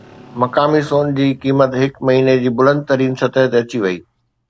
مقامي سون جي قيمت هڪ مهيني جي بلند ترين سطح تي اچي وئي